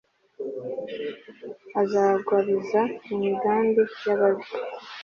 Azagwabiza imigambi yababi